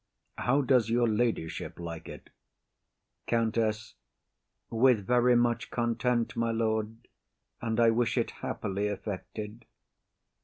How does your ladyship like it? COUNTESS. With very much content, my lord, and I wish it happily effected.